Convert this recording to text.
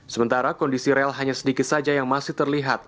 sementara kondisi rel hanya sedikit saja yang masih terlihat